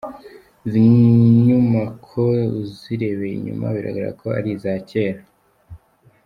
Izi nyumako uzirebeye inyuma bigaragara ko ari iza kera.